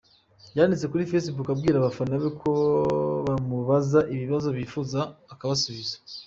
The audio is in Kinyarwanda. Yanditse kuri Facebook abwira abafana be ko bamubaza ibibazo bifuza akabasubiza.